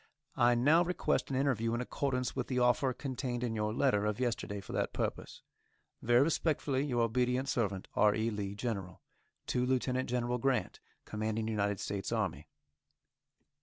I now request an interview in accordance with the offer contained in your letter of yesterday for that purpose. Very respectfully, Your obedient servant, R. E. LEE, General. _To Lieutenant General Grant, Commanding United States Army.